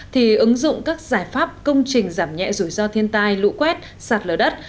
thì ứng dụng các giải pháp công trình giảm nhẹ rủi ro thiên tai lũ quét sạt lở đất